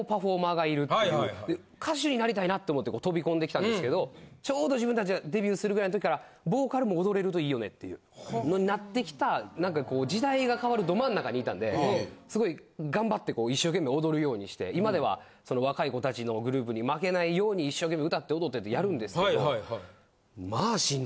歌手になりたいなと思って飛び込んできたんですけどちょうど自分達がデビューするぐらいの時からボーカルも踊れるといいよねっていうのになってきた何か時代が変わるど真ん中にいたんですごい頑張って一生懸命踊るようにして今では若い子達のグループに負けないように一生懸命歌って踊ってってやるんですけど。